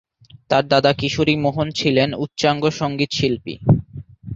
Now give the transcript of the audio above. তার দাদা কিশোরী মোহন ছিলেন উচ্চাঙ্গ সঙ্গীত শিল্পী।